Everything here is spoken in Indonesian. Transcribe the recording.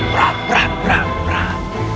brah brah brah brah